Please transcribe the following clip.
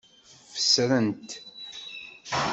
Fesren-t.